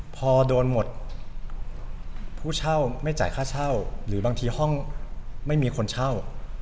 พอโดนหมดผู้เช่าไม่จ่ายค่าเช่าหรือบางทีห้องไม่มีคนเช่า